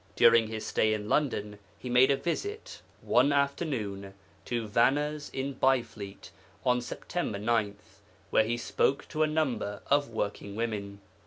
During His stay in London He made a visit one afternoon to Vanners' in Byfleet on Sept. 9, where He spoke to a number of working women.